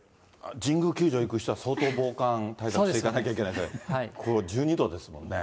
神宮球場行く人は、相当防寒対策していかなきゃいけないですね。